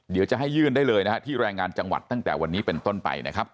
เดี๋ยวจะให้ยื่นได้เลยนะฮะที่แรงงานจังหวัดตั้งแต่วันนี้เป็นต้นไปนะครับ